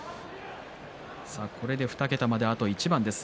これで２桁まであと一番です。